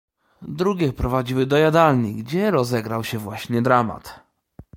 "Drugie prowadziły do jadalni, gdzie rozegrał się właśnie dramat."